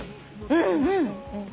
うんうん。